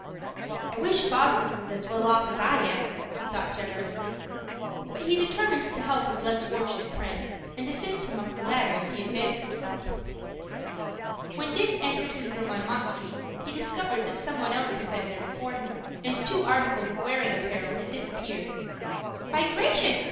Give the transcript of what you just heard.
"I wish Fosdick was as well off as I am," he thought generously. But he determined to help his less fortunate friend, and assist him up the ladder as he advanced himself. When Dick entered his room on Mott Street, he discovered that some one else had been there before him, and two articles of wearing apparel had disappeared. "By gracious!"